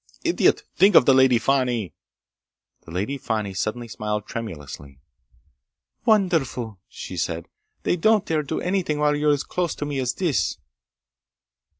"Idiot! Think of the Lady Fani!" The Lady Fani suddenly smiled tremulously. "Wonderful!" she said. "They don't dare do anything while you're as close to me as this!"